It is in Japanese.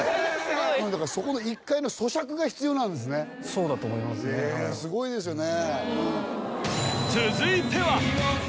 そうだと思いますねへえすごいですよね